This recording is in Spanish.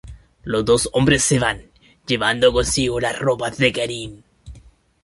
Los dos hombres se van, llevando consigo las ropas de Karin.